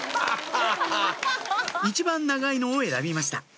一番長いのを選びました